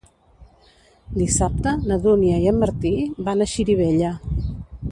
Dissabte na Dúnia i en Martí van a Xirivella.